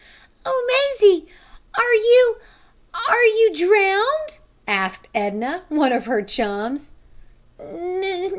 "Oh, Mazie! are you are you drowned?" asked Edna, one of her chums.